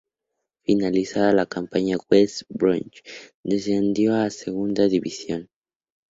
Finalizada la campaña, West Bromwich descendió a segunda división.